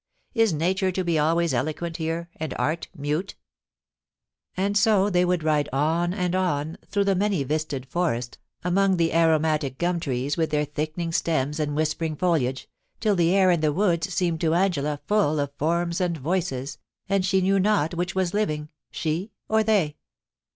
Is Nature to be always eloquent here, and Art mute ?* And so they would ride on and on through the many vistaed forest, among the aromatic gum trees with their thickening stems and whispering foliage, till the air and the woods seemed to Angela full of forms and voices, and she knew not which was living, she or they.